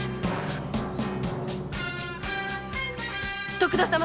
徳田様！